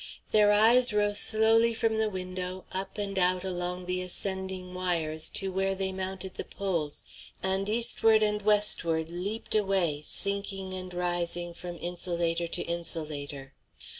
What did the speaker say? Their eyes rose slowly from the window up and out along the ascending wires to where they mounted the poles and eastward and westward leaped away sinking and rising from insulator to insulator.